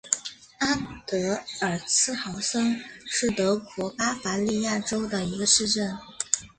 阿德尔茨豪森是德国巴伐利亚州的一个市镇。